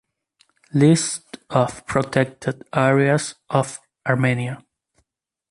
List of protected areas of Armenia